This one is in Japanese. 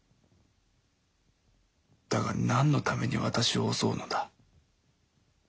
だが何のために私を襲うのだ？